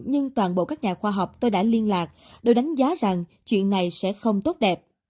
nhưng toàn bộ các nhà khoa học tôi đã liên lạc đều đánh giá rằng chuyện này sẽ không tốt đẹp